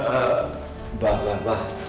eh mbah mbah mbah